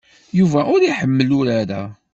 Yuba ur iḥemmel urar-a.